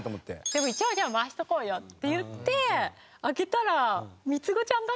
でも「一応じゃあ回しとこうよ」って言って開けたら三つ子ちゃんだったの。